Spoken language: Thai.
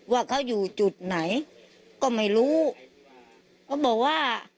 ว่าเขาอยู่จุดไหนก็ไม่รู้เขาบอกว่า